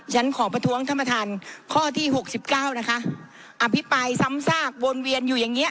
ฉันขอประท้วงท่านประธานข้อที่หกสิบเก้านะคะอภิปรายซ้ำซากวนเวียนอยู่อย่างเงี้